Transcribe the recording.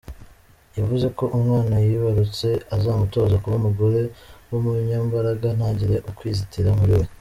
Yavuze ko umwana yibarutse azamutoza kuba umugore w’umunyembaraga ntagire ukwizitira muri we.